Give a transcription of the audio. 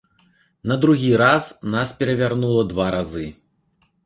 На другі раз нас перавярнула два разы.